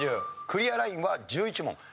クリアラインは１１問。